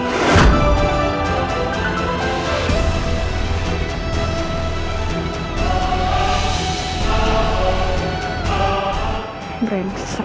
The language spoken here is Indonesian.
dia main mati lagi lagi